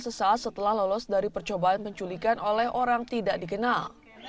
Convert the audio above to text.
sesaat setelah lolos dari percobaan penculikan oleh orang tidak dikenal